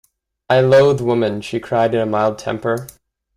"I loathe women," she cried in a mild temper.